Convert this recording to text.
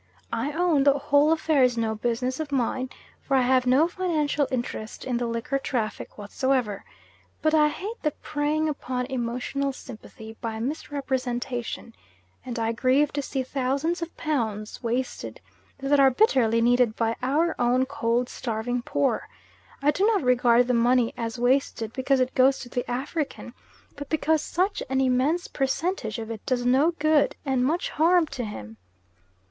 I own the whole affair is no business of mine; for I have no financial interest in the liquor traffic whatsoever. But I hate the preying upon emotional sympathy by misrepresentation, and I grieve to see thousands of pounds wasted that are bitterly needed by our own cold, starving poor. I do not regard the money as wasted because it goes to the African, but because such an immense percentage of it does no good and much harm to him.